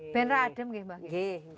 bener adem mbak